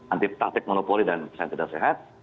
anti praktik monopoli dan pesan tidak sehat